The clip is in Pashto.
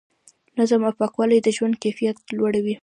نظم او پاکوالی د ژوند کیفیت لوړوي.